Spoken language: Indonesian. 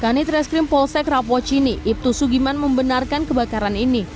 kanitreskrim polsek rapocini ibtu sugiman membenarkan kebakaran ini